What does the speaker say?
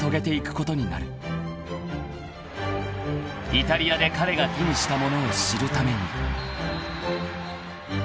［イタリアで彼が手にしたものを知るために］